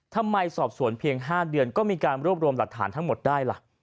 ทำไมสอบสวนเพียง๕เดือนก็มีการรวบรวมหลักฐานทั้งหมดได้ล่ะ